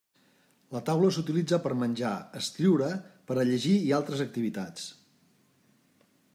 La taula s'utilitza per menjar, escriure, per a llegir i per altres activitats.